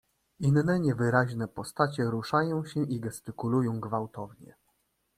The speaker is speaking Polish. "Inne, niewyraźne postacie ruszają się i gestykulują gwałtownie."